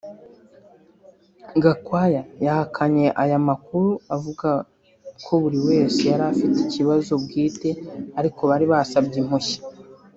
Gakwaya yahakanye aya makuru avuga ko buri wese yari afite ikibazo bwite ariko bari basabye impushya